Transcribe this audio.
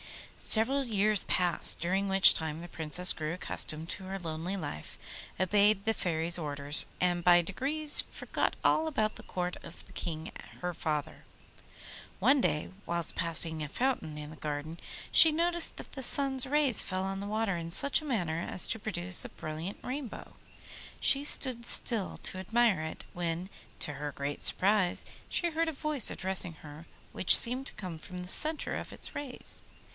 Several years passed, during which time the Princess grew accustomed to her lonely life, obeyed the Fairy's orders, and by degrees forgot all about the court of the King her father. One day, whilst passing near a fountain in the garden, she noticed that the sun's rays fell on the water in such a manner as to produce a brilliant rainbow. She stood still to admire it, when, to her great surprise, she heard a voice addressing her which seemed to come from the centre of its rays.